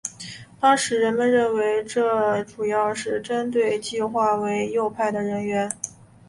当时人们认为这主要是针对划为右派的人员。